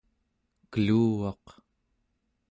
keluvaq